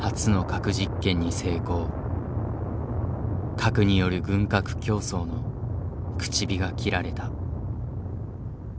核による軍拡競争の口火が切られた。